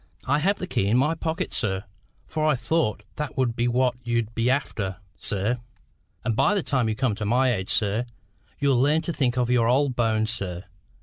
"I have the key in my pocket, sir; for I thought that would be what you'd be after, sir. And by the time you come to my age, sir, you'll learn to think of your old bones, sir.